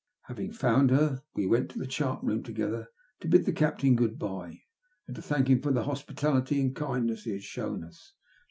Having found her we went to the chart room together to bid the Captain " good bye," and to thank him for the hos pitality and kindness he had shown us.